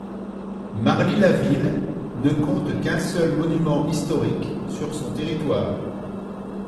Marly-la-Ville ne compte qu'un seul monument historique sur son territoire.